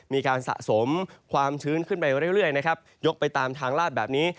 มีการสะสมความชื้นขึ้นไปเรื่อยนะครับยกไปตามทางลาดแบบนี้